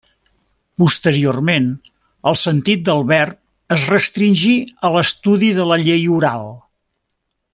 Posteriorment, el sentit del verb es restringí a l'estudi de la llei oral.